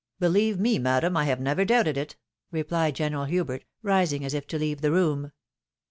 "BeUeve me, madam, I have never doubted it," replied General Hubert, rising as if to leave the room.